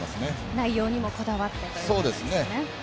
内容にもこだわってというところですね。